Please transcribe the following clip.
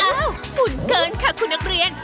อ้าวหมุนเกินค่ะคุณนักเรียน